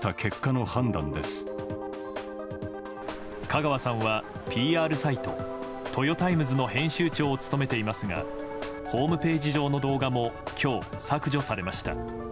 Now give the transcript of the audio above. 香川さんはＰＲサイトトヨタイムズの編集長を務めていますがホームページ上の動画も今日、削除されました。